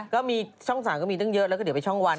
ก็มีช่อง๓ก็มีตั้งเยอะแล้วก็เดี๋ยวไปช่องวัน